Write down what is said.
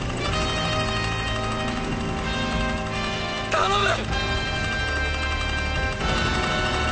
頼む！！